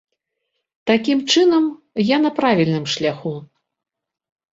Такім чынам, я на правільным шляху!